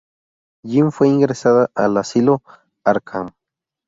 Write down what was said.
Jean fue ingresada en el Asilo Arkham.